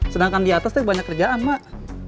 sedangkan di atas itu banyak kerjaan mak